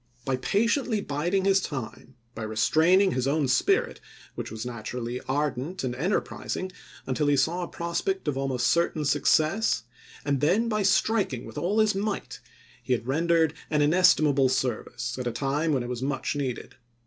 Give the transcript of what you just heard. By patiently bid ing his time, by restraining his own spirit which was naturally ardent and enterprising, until he saw a prospect of almost certain success, and then by striking with all his might, he had rendered an inestimable service, at a time when it was much needed.